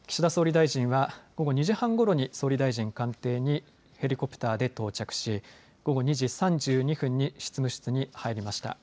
岸田総理大臣は午後２時半ごろに総理大臣官邸にヘリコプターで到着し午後２時３２分に執務室に入りました。